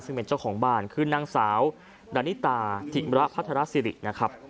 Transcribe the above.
ซึ่งเป็นเจ้าของบ้านคือนางสาวดานิตาถิมระพัทรสิรินะครับ